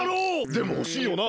でもおしいよな？